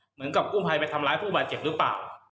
เหมือนกับกู้ภัยไปทำร้ายผู้บาดเจ็บหรือเปล่า